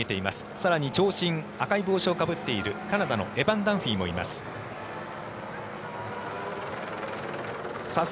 更に長身赤い帽子をかぶっているカナダのエバン・ダンフィーもいます。